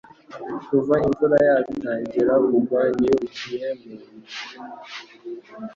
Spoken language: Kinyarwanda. Kuva imvura yatangira kugwa, nirukiye mu nzu.